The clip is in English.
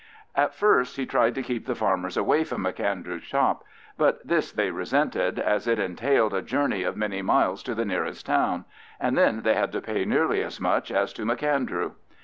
At first he tried to keep the farmers away from M'Andrew's shop; but this they resented, as it entailed a journey of many miles to the nearest town, and then they had to pay nearly as much as to M'Andrew.